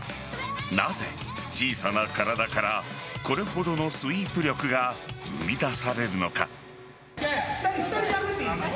なぜ小さな体からこれほどのスイープ力が生み出されるのか。